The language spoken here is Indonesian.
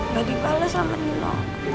gak dibales sama nino